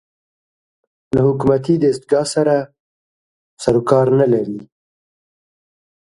له حکومتي دستګاه سره سر و کار نه لري